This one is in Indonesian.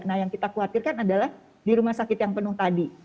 nah yang kita khawatirkan adalah di rumah sakit yang penuh tadi